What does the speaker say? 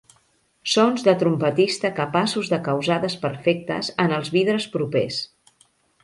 Sons de trompetista capaços de causar desperfectes en els vidres propers.